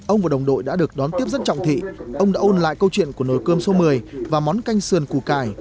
ông và đồng đội đã được đón tiếp rất trọng thị ông đã ôn lại câu chuyện của nồi cơm số một mươi và món canh sườn cù cải